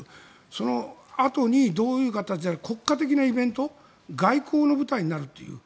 そのあと、どういう形であれば国家的なイベント外交の舞台になるという。